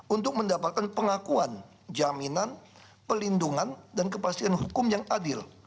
untuk mendapatkan pengakuan jaminan pelindungan dan kepastian hukum yang adil